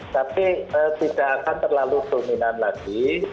tapi tidak akan terlalu dominan lagi